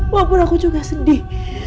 walaupun aku juga sedih